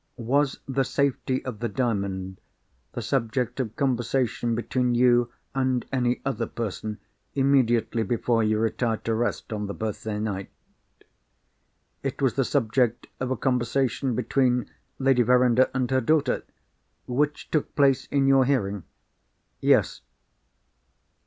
"Was the safety of the Diamond the subject of conversation between you and any other person, immediately before you retired to rest on the birthday night?" "It was the subject of a conversation between Lady Verinder and her daughter——" "Which took place in your hearing?" "Yes."